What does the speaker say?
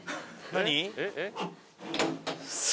何？